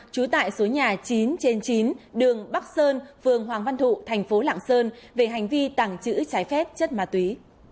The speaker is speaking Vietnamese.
trú tại số nhà chín trên chín đường bắc sơn phường hoàng văn thụ thành phố lạng sơn về hành vi tàng trữ trái phép chất ma túy